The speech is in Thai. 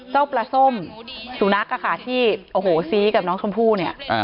เจ้าปลาส้มสุนัขอะค่ะที่โอ้โหซี้กับน้องชมพู่เนี่ย